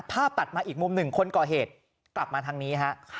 ตัดมาอีกมุมหนึ่งคนก่อเหตุกลับมาทางนี้ฮะ